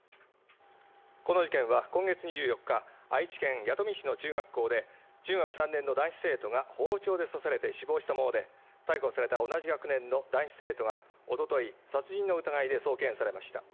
この事件は今月２４日愛知県弥富市の中学校で中学３年の男子生徒が包丁で刺されて死亡したもので逮捕された同じ学年の男子生徒がおととい殺人の疑いで送検されました